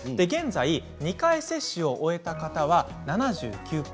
現在、２回接種を終えた方は７９％。